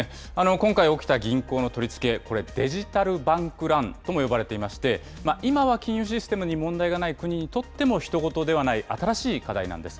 今回、起きた銀行の取り付け、これ、デジタル・バンク・ランとも呼ばれていまして、今は金融システムに問題がない国にとっても、ひと事ではない、新しい課題なんです。